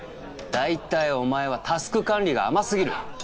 だいたいお前はタスク管理が甘すぎる。